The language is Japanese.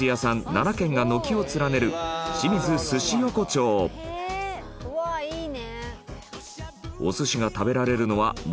７軒が軒を連ねるうわっいいね！